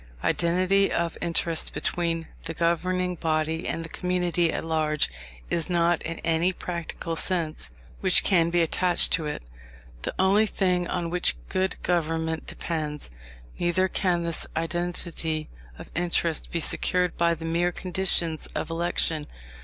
Identity of interest between the governing body and the community at large is not, in any practical sense which can be attached to it, the only thing on which good government depends; neither can this identity of interest be secured by the mere conditions of election.